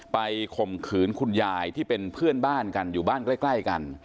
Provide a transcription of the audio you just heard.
ข่มขืนคุณยายที่เป็นเพื่อนบ้านกันอยู่บ้านใกล้กัน